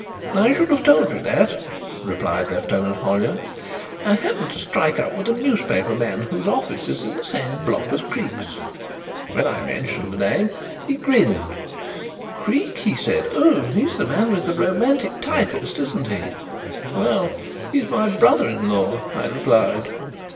"I should have told you that," replied Lieutenant Hollyer. "I happened to strike up with a newspaper man whose office is in the same block as Creake's. When I mentioned the name he grinned. 'Creake,' he said, 'oh, he's the man with the romantic typist, isn't he?' 'Well, he's my brother in law,' I replied.